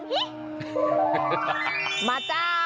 ฮิ่มาจ้า